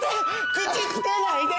口つけないで！